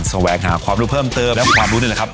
มันแสวงค่ะความรู้เพิ่มเติมและความรู้นี่แหละครับ